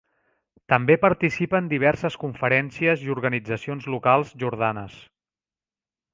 També participa en diverses conferències i organitzacions locals jordanes.